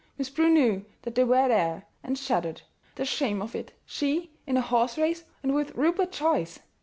Miss Prue knew that they were there, and shuddered. The shame of it she, in a horse race, and with Rupert Joyce!